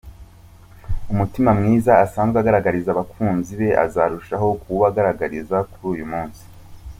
Umutima mwiza asanzwe agaragariza abakunzi be azarushaho kuwubagaragariza kuri uyu munsi.